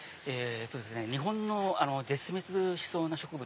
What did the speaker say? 日本の絶滅しそうな植物。